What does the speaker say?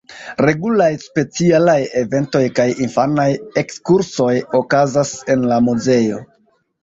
Regulaj specialaj eventoj kaj infanaj ekskursoj okazas en la muzeo.